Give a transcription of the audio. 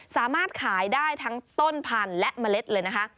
สามารถขายได้ทั้งต้นพันธุ์และเมล็ดเลยนะคะ